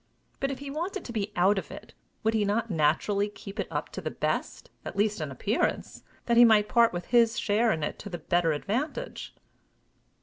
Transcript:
But, if he wanted to be out of it, would he not naturally keep it up to the best, at least in appearance, that he might part with his share in it to the better advantage?